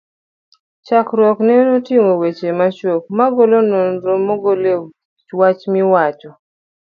chakruokne oting'o weche machuok, magolo nonro malongo e wich wach miwach?